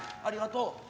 ありがとう。